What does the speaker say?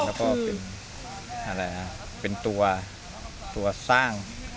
แล้วก็เป็นตัวสร้าง